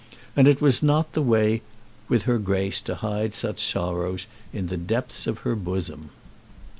And it was not the way with her Grace to hide such sorrows in the depth of her bosom.